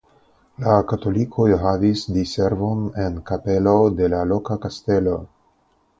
La katolikoj havis diservojn en kapelo de la loka kastelo.